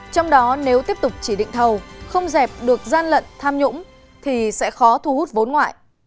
trong đó nếu tiếp tục chỉ định thầu không dẹp được gian lận tham nhũng thì sẽ khó thu hút vốn ngoại